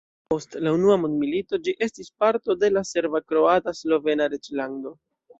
Post la unua mondmilito, ĝi estis parto de la Serba-Kroata-Slovena Reĝlando.